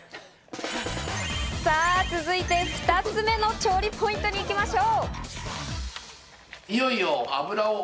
さあ続いて２つ目の調理ポイントに行きましょう。